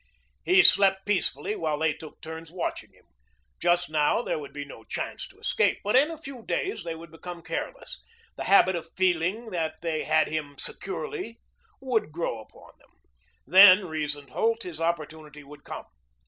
He slept peacefully while they took turns watching him. Just now there would be no chance to escape, but in a few days they would become careless. The habit of feeling that they had him securely would grow upon them. Then, reasoned Holt, his opportunity would come.